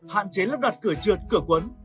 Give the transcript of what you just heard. hạn chế lắp đặt cửa trượt cửa quấn